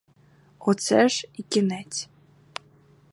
Оце ж і кінець.